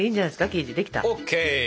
生地できた。ＯＫ。